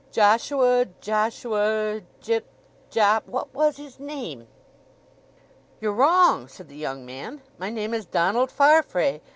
Joshua, Joshua, Jipp—Jopp—what was his name?" "You're wrong!" said the young man. "My name is Donald Farfrae.